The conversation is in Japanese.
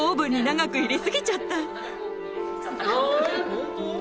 本当？